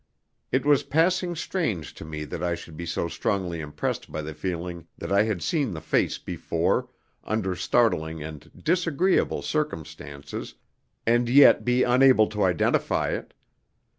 It was passing strange to me that I should be so strongly impressed by the feeling that I had seen the face before, under startling and disagreeable circumstances, and yet be unable to identify it.